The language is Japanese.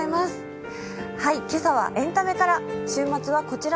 今朝はエンタメから。